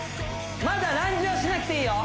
まだランジはしなくていいよ